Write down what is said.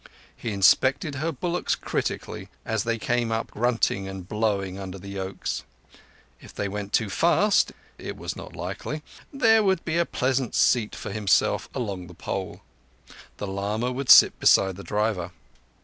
He inspected her bullocks critically, as they came up grunting and blowing under the yokes. If they went too fast—it was not likely—there would be a pleasant seat for himself along the pole; the lama would sit beside the driver.